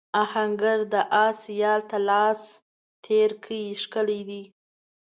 آهنګر د آس یال ته لاس تېر کړ ښکلی دی.